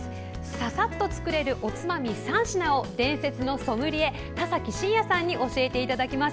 ささっと作れる、おつまみ３品を伝説のソムリエ・田崎真也さんに教えていただきます。